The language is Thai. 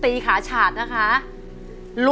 ที่บอกใจยังไง